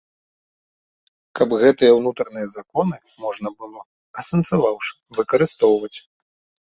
Каб гэтыя ўнутраныя законы можна было, асэнсаваўшы, выкарыстоўваць.